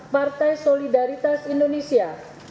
partai solidaritas indonesia